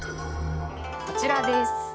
こちらです。